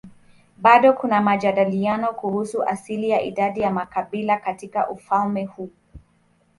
Bado kuna majadiliano kuhusu asili na idadi ya makabila katika ufalme huu.